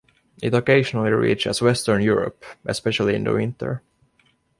It occasionally reaches western Europe, especially in the winter.